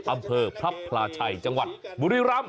อำเภอพระพลาชัยจังหวัดบุรีรำ